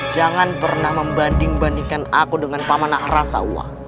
jangan pernah membanding bandingkan aku dengan pamanah rasa uang